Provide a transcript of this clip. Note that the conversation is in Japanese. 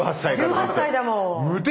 １８歳だもん。